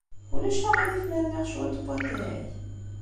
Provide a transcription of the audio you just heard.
Ulac aɣilif ma rniɣ cwiṭ n watay?